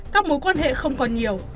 các mối quan hệ không còn nhiều